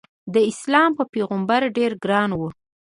داسلام په پیغمبر ډېر ګران و.